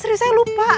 serius saya lupa